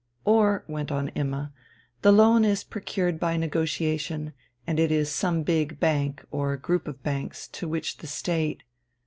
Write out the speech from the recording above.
"Or," went on Imma, "the loan is procured by negotiation, and it is some big bank, or group of banks, to which the State